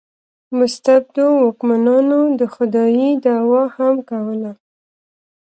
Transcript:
مستبدو واکمنانو د خدایي دعوا هم کوله.